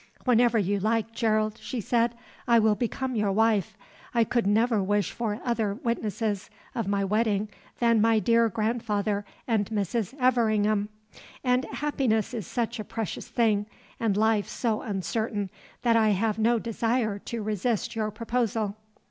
"Whenever you like, Gerald," she said, "I will become your wife. I could never wish for other witnesses of my wedding than my dear grandfather and Mrs. Everingham; and happiness is such a precious thing and life so uncertain, that I have no desire to resist your proposal."